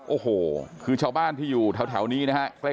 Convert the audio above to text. โอ้โหคือชาวบ้านที่อยู่แถวนี้นะฮะ